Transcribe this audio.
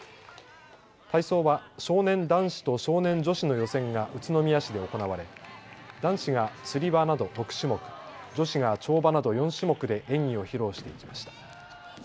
体操は少年男子と少年女子の予選が宇都宮市で行われ男子がつり輪など６種目、女子が跳馬など４種目で演技を披露していきました。